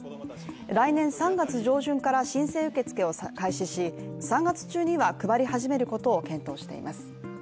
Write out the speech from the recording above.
来年３月上旬から申請受付を開始し３月中には配り始めることを検討しています。